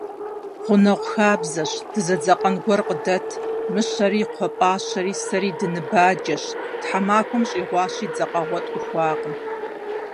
Гъунэгъу хабзэщ: дызэдзэкъэн гуэр къыдэт, мыщэри, кхъуэпӏащэри, сэри дыныбаджэщ, тхьэмахуэм щӏигъуащи, дзэкъэгъуэ тӏухуакъым.